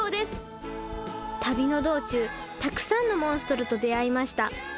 旅の道中たくさんのモンストロと出会いました。